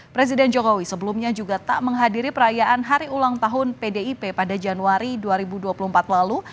presiden jokowi sebelumnya juga tak menghadiri perayaan hari ulang tahun pdip pada januari dua ribu dua puluh empat lalu